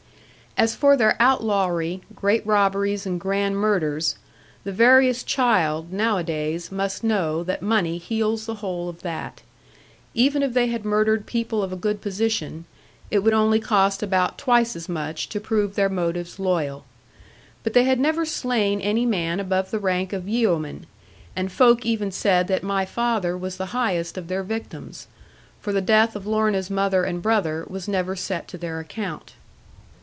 As for their outlawry, great robberies, and grand murders, the veriest child, nowadays, must know that money heals the whole of that. Even if they had murdered people of a good position, it would only cost about twice as much to prove their motives loyal. But they had never slain any man above the rank of yeoman; and folk even said that my father was the highest of their victims; for the death of Lorna's mother and brother was never set to their account.